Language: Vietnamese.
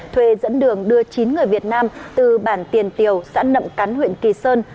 thuê dẫn đường đưa chín người việt nam từ bản tiền tiều xã nậm cắn huyện kỳ sơn